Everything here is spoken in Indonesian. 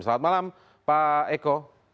selamat malam pak eko